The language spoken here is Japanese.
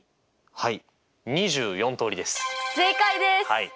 はい。